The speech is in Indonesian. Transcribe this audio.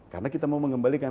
karena kita mau mengembalikan